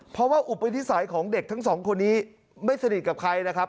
เพราะว่าอุปนิสัยของเด็กทั้งสองคนนี้ไม่สนิทกับใครนะครับ